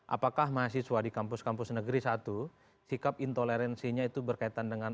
apakah mahasiswa di kampus kampus negeri satu sikap intoleransinya itu berkaitan dengan